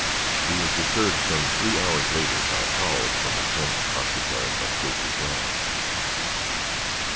He was disturbed some three hours later by howls from the tent occupied by Stacy Brown.